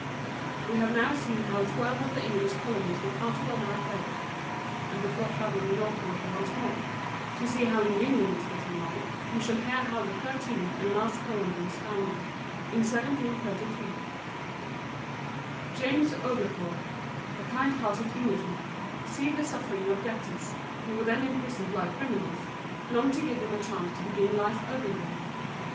We have now seen how twelve of the English colonies were planted on our coast, and before traveling northward once more, to see how New England was getting along, you shall hear how the thirteenth and last colony was founded, in 1733. James O´gle thorpe, a kind hearted Englishman, perceiving the suffering of debtors, who were then imprisoned like criminals, longed to give them a chance to begin life over again.